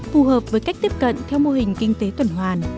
phù hợp với cách tiếp cận theo mô hình kinh tế tuần hoàn